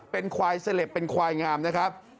เป็นควายเสล็บเป็นควายงามนะครับ